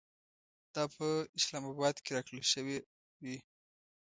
دا په اسلام اباد کې راکړل شوې وې.